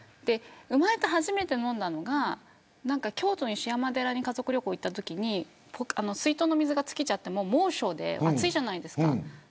生まれて初めて飲んだのが京都の石山寺に家族で旅行に行ったときに水筒の水が尽きちゃったとき猛暑で暑いじゃないですか。